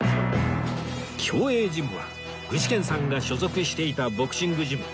協栄ジムは具志堅さんが所属していたボクシングジム